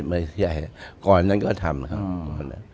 ไม่ใช่ก่อนนั้นก็ทำนะครับ